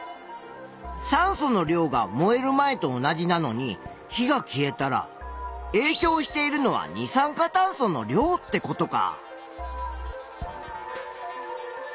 酸素の量が燃える前と同じなのに火が消えたらえいきょうしているのは二酸化炭素の量ってことか。